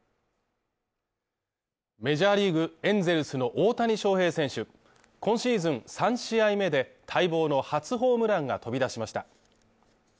メジャーリーグ・エンゼルスの大谷翔平選手、今シーズン３試合目で待望の初ホームランが飛び出しました。